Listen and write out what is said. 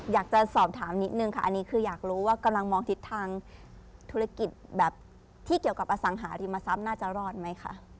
อยากจะสอบถามนิดนึงค่ะอันนี้คืออยากรู้ว่ากำลังมองทิศทางธุรกิจแบบที่เกี่ยวกับอสังหาริมทรัพย์น่าจะรอดไหมคะ